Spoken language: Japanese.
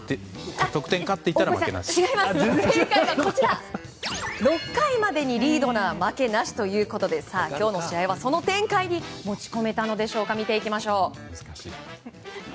正解は、６回までにリードなら負けなしということで今日の試合はその展開に持ち込めたのか見ていきましょう。